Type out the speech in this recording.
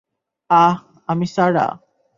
অহ, আমি সারা।